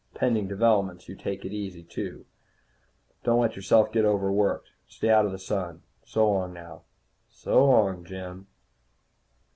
Pending developments you take it easy, too. Don't let yourself get overworked. Stay out of the sun. So long now." "So long, Jim."